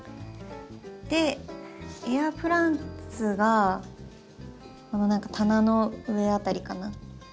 でエアプランツがこの何か棚の上辺りかな。